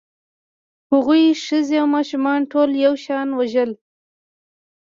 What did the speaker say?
هغوی ښځې او ماشومان ټول په یو شان وژل